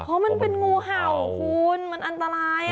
เพราะมันเป็นงูเห่าคุณมันอันตราย